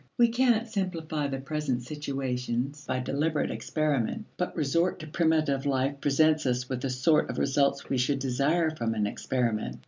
We cannot simplify the present situations by deliberate experiment, but resort to primitive life presents us with the sort of results we should desire from an experiment.